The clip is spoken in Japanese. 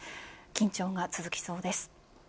緊張が続きそうです。